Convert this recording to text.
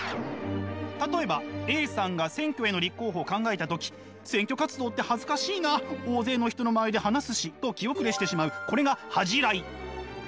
例えばＡさんが選挙への立候補を考えた時選挙活動って恥ずかしいな大勢の人の前で話すし。と気後れしてしまうこれが恥じらい。